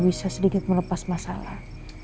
rasanya semua ini bisa sedikit melepas masalah